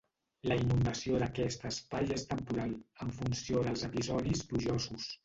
La inundació d'aquest espai és temporal, en funció dels episodis plujosos.